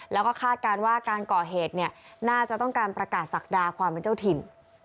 แล้วก็คาดการณ์ว่าการก่อเหตุเนี่ยน่าจะต้องการประกาศศักดาความเป็นเจ้าถิ่น